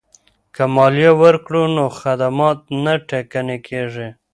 که مالیه ورکړو نو خدمات نه ټکنی کیږي.